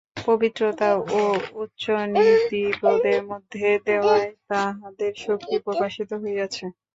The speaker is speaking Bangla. পবিত্রতা এবং উচ্চনীতিবোধের মধ্য দিয়াই তাঁহাদের শক্তি প্রকাশিত হইয়াছে।